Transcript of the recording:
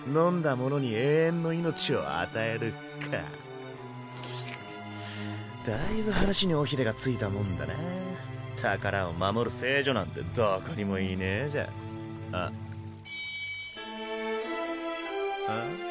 者に永遠の命を与えるかだいぶ話に尾ひれが付いたもんだな宝を守る聖女なんてどこにもいねぇじゃうん？